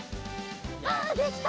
はあできた！